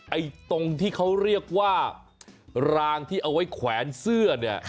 ไอ้ตรงที่เขาเรียกว่ารางที่เอาไว้แขวนเสื้อเนี่ย